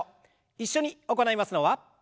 一緒に行いますのは。